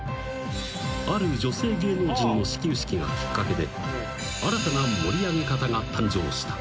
［ある女性芸能人の始球式がきっかけで新たな盛り上げ方が誕生した］